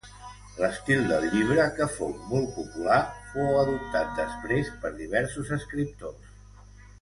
L'estil del llibre, que fou molt popular, fou adoptat després per diversos escriptors.